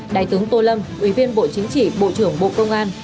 đại tướng tô lâm ủy viên bộ chính trị bộ trưởng bộ công an